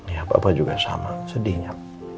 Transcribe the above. ya bapak juga sama sedihnya